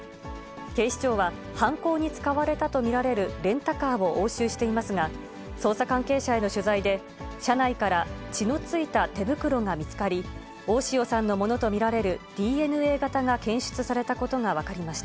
警視庁は、犯行に使われたと見られるレンタカーを押収していますが、捜査関係者への取材で、車内から、血のついた手袋が見つかり、大塩さんのものと見られるＤＮＡ型が検出されたことが分かりました。